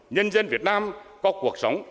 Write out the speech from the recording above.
nhân dân việt nam có cuộc sống